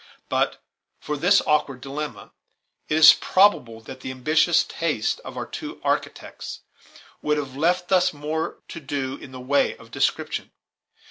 But for this awkward dilemma, it is probable that the ambitious tastes of our two architects would have left us much more to do in the way of description.